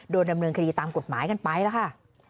โดนดำเนินคดีตามกฎหมายกันไปแล้วค่ะ